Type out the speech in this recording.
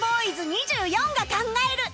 ２４が考える